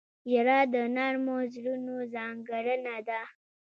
• ژړا د نرمو زړونو ځانګړنه ده.